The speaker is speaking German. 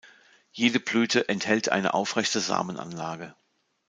Jede Blüte enthält eine aufrechte Samenanlage.